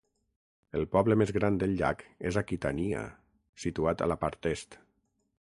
El poble més gran del llac és Aquitania, situat a la part est.